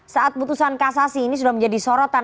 saat putusan kasasi ini sudah menjadi sorotan